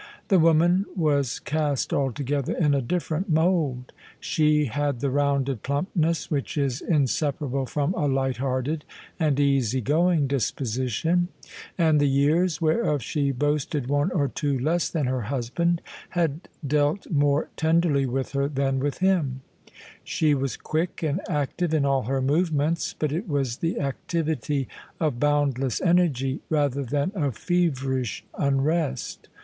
The woman was cast altogether in a differ ent mould. She had the rounded plumpness which is in separable from a light hearted and easy going disposition: and the years — ^whereof she boasted one or two less than her husband — had dealt more tenderly with her than with hinu She was quick and active in all her movements: but it was the activity of boundless energy rather than of feverish im rest.